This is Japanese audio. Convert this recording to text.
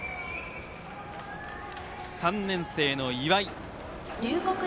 ３年生の岩井。